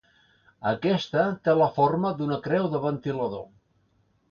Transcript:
Aquesta té la forma d'una creu de ventilador.